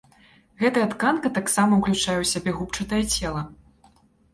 Гэтая тканка таксама ўключае ў сябе губчатае цела.